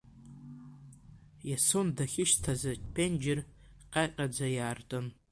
Иасон дахьышьҭаз аценџьыр ҟьаҟьаӡа иаартын.